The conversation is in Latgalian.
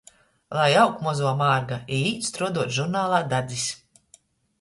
Lai aug muzuo mārga i īt struoduot žurnalā "Dadzis".